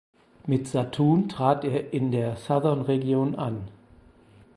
Mit Satun trat er in der Southern Region an.